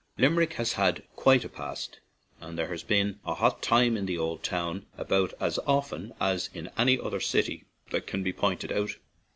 Lim erick has had quite a past, and there has been "a hot time in the old town" about as often as in any other city that can be pointed out.